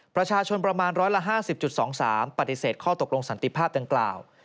ประชาชนประมาณ๑๕๐๒๓ปฏิเสธข้อตกลงสันติภาพดังกล่าว